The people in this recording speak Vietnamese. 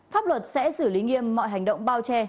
pháp luật sẽ xử lý nghiêm mọi hành động bao che